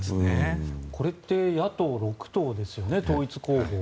これって野党６党ですよね、統一候補。